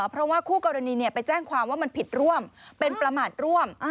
เพราะว่าคู่กรณีไปแจ้งความว่ามันผิดร่วมเป็นประมาทร่วม